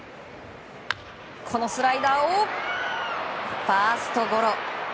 このスライダーをファーストゴロ。